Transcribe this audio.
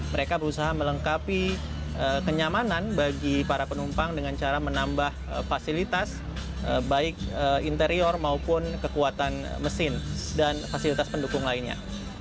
mereka berusaha melengkapi kenyamanan bagi para penumpang dengan cara menambah fasilitas baik interior maupun kekuatan mesin dan fasilitas pendukung lainnya